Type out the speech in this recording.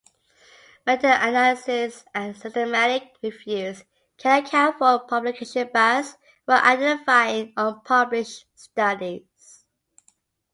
Meta-analyses and systematic reviews can account for publication bias by identifying unpublished studies.